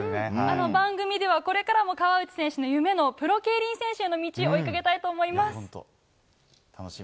番組ではこれからも河内選手のプロ競輪選手への夢を追いかけたいと思います。